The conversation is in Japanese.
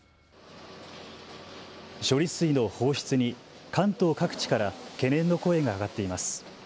処理水の放出に関東各地から懸念の声が上がっています。